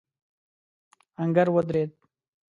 آهنګر ودرېد.